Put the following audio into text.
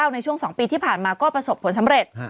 ในช่วง๒ปีที่ผ่านมาก็ประสบผลสำเร็จ